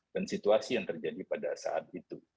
dan situasi yang terjadi pada saat itu